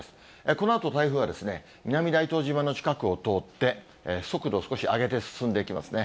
このあと台風は、南大東島の近くを通って、速度を少し上げて進んでいきますね。